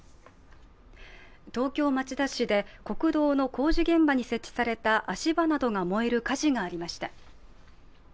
東京・町田市で国道の工事現場に設置された足場などが燃える火事がありました。